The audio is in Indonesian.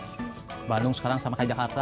mahal bandung sekarang sama ke jakarta sama apanya